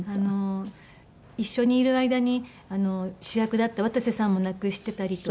一緒にいる間に主役だった渡瀬さんも亡くしてたりとか。